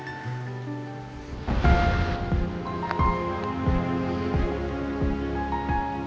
selamat mengalami kamu